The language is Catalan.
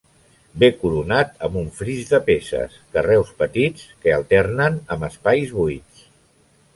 Ve coronat amb un fris de peces, carreus petits, que alternen amb espais buits.